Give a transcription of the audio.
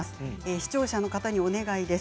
視聴者の方にお願いです。